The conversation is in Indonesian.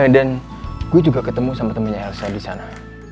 dan gue juga ketemu sama temennya elsa disana